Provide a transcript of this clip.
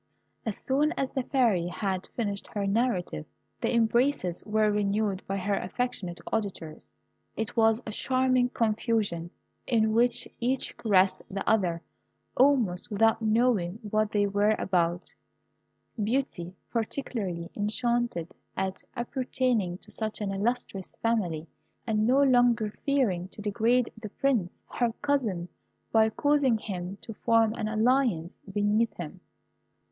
As soon as the Fairy had finished her narrative, the embraces were renewed by her affectionate auditors. It was a charming confusion, in which each caressed the other almost without knowing what they were about: beauty, particularly, enchanted at appertaining to such an illustrious family, and no longer fearing to degrade the Prince, her cousin, by causing him to form an alliance beneath him.